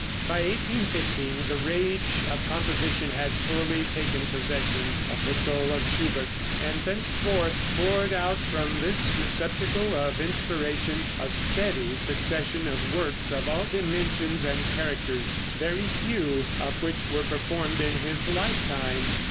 By 1815 the rage of composition had fully taken possession of the soul of Schubert, and thenceforth poured out from this receptacle of inspiration a steady succession of works of all dimensions and characters, very few of which were performed in his lifetime.